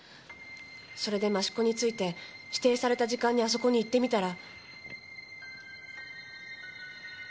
それで益子に着いて指定された時間にあそこに行ってみたら。